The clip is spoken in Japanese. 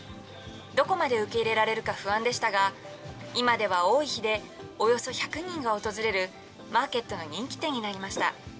どこまで受け入れられるか不安でしたが、今では多い日で、およそ１００人が訪れる、マーケットの人気店になりました。